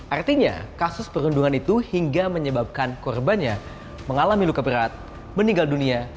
artinya kasus perundungan itu hingga menyebabkan korbannya mengalami luka berat meninggal dunia